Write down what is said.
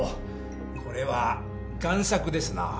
これは贋作ですな。